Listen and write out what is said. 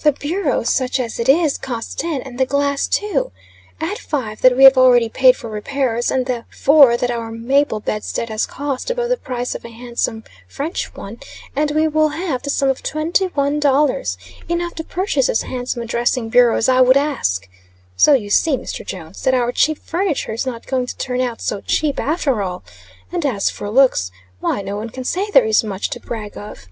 "The bureau, such as it is, cost ten, and the glass two. Add five that we have already paid for repairs, and the four that our maple bedstead has cost above the price of a handsome French, one, and we will have the sum of twenty one dollars, enough to purchase as handsome a dressing bureau as I would ask. So you see. Mr. Jones, that our cheap furniture is not going to turn out so cheap after all. And as for looks, why no one can say there is much to brag of."